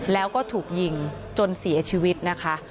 แล้วก็ถูกยิงจนเสียชีวิตนะคะ